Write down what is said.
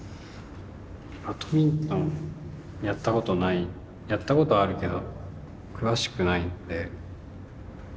バドミントンやったことないやったことあるけど詳しくないんで。